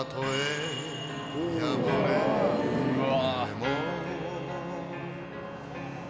うわ。